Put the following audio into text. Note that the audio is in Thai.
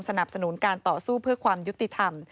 สนับสนุนการต่อสู้เพื่อความยุติธรรม